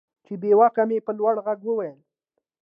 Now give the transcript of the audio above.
چې بېواكه مې په لوړ ږغ وويل.